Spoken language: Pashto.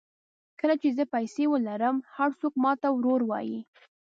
کله چې زه پیسې ولرم هر څوک ماته ورور وایي.